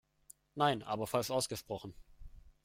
Nein, aber falsch ausgesprochen.